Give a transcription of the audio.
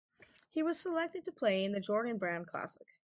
He was selected to play in the Jordan Brand Classic.